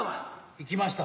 行きました。